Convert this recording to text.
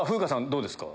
どうですか？